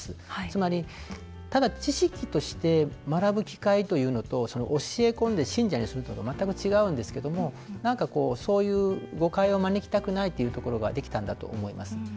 つまり、ただ知識として学ぶ機会というのと教え込んで信者にすることは全く違うんですけどもそういう誤解を招きたくないというところができたんだと思います。